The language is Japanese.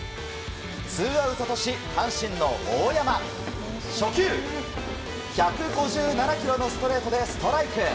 ツーアウトとし阪神の大山初球、１５７キロのストレートでストライク。